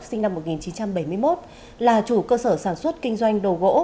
sinh năm một nghìn chín trăm bảy mươi một là chủ cơ sở sản xuất kinh doanh đồ gỗ